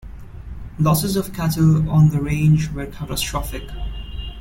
Losses of cattle on the range were catastrophic.